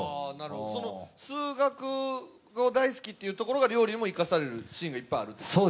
数学が大好きってところが料理にも生かされるシーンがいっぱいあるんですか？